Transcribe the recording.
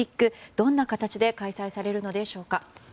どんな形で開催されるのでしょうか。